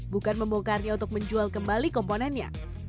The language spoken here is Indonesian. bukan membongkarnya untuk menjual kembali komponennya